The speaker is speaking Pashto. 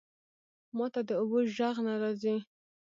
ماته د اوبو ژغ نه راځی